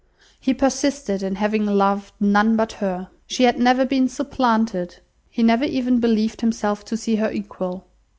He persisted in having loved none but her. She had never been supplanted. He never even believed himself to see her equal.